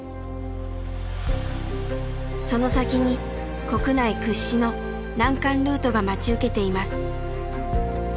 その先に国内屈指の難関ルートが待ち受けています。